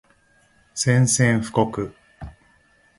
宣戦布告